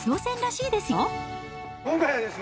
今回はですね